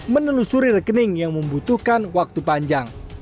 menelusuri rekening yang membutuhkan waktu panjang